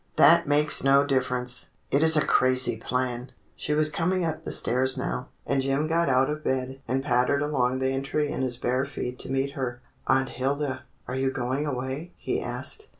"That makes no difference. It is a crazy plan!" She was coming up the stairs now, and Jim got out of bed and pattered along the entry in his bare feet to meet her. "Aunt Hilda, are you going away.^" he asked.